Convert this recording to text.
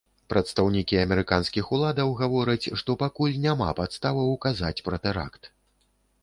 Прадстаўнікі амерыканскіх уладаў гавораць, што пакуль няма падставаў казаць пра тэракт.